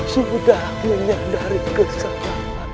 sudah menyadari kesalahan